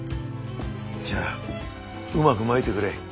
じゃあうまくまいてくれ。